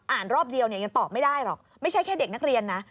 รอบเดียวเนี่ยยังตอบไม่ได้หรอกไม่ใช่แค่เด็กนักเรียนนะ